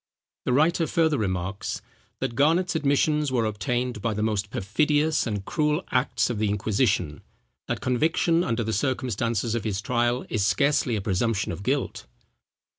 The writer further remarks,—"that Garnet's admissions were obtained by the most perfidious and cruel acts of the inquisition; that conviction under the circumstances of his trial, is scarcely a presumption of guilt."